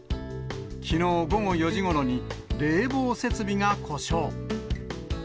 きのう午後４時ごろに、冷房設備が故障。